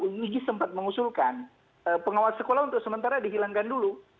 iji sempat mengusulkan pengawas sekolah untuk sementara dihilangkan dulu